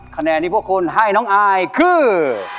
คะแนนที่พวกคุณให้น้องอายคือ